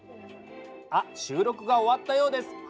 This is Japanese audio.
あ収録が終わったようです。